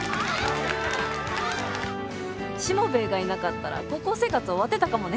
しもべえがいなかったら高校生活終わってたかもね。